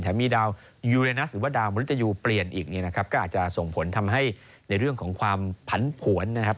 มีดาวยูเรนัสหรือว่าดาวมริตยูเปลี่ยนอีกเนี่ยนะครับก็อาจจะส่งผลทำให้ในเรื่องของความผันผวนนะครับ